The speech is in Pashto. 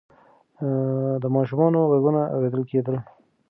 د ماشومانو غږونه اورېدل کېدل.